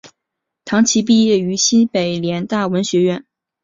唐祈毕业于西北联大文学院。